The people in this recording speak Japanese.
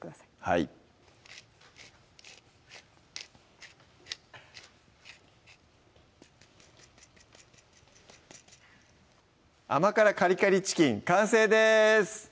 はい「甘辛カリカリチキン」完成です